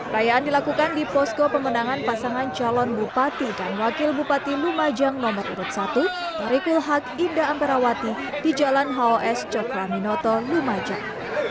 rayaan dilakukan di posko pemenangan pasangan calon bupati dan wakil bupati lumajang nomor urut satu tori kulhak indah amperawati di jalan hoes cokraminoto lumajang